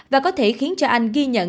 và có thể khiến cho anh ghi nhận